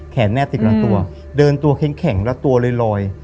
แขนแนบติดกับตัวเดินตัวแข็งแล้วตัวเลยลอย